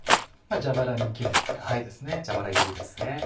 蛇腹切りですね。